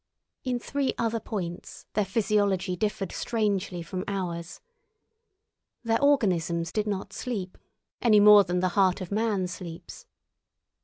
In three other points their physiology differed strangely from ours. Their organisms did not sleep, any more than the heart of man sleeps.